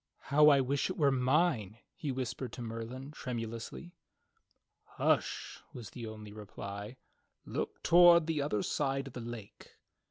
"How I wish it were mine," he whispered to Merlin tremu lously. "Hush," was the only reply, "Look toward the other side of the lake."